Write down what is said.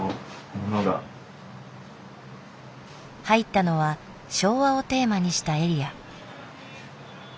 入ったのは「昭和」をテーマにしたエリア。